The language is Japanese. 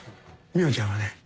海音ちゃんはね。